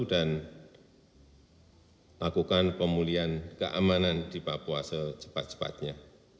dan lakukan pemulihan keamanan di papua secepat cepatnya